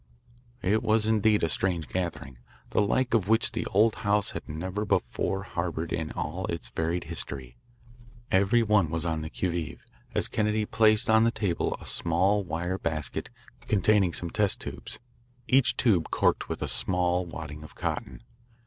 It was indeed a strange gathering, the like of which the old house had never before harboured in all its varied history. Every one was on the qui vive, as Kennedy placed on the table a small wire basket containing some test tubes, each tube corked with a small wadding of cotton.